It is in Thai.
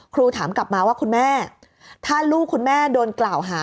ครูถามกลับมาว่าคุณแม่ถ้าลูกคุณแม่โดนกล่าวหา